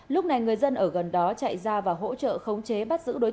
lúc này người dân ở gần đó chạy ra và hỗ trợ khống chế bắt giữ đối tượng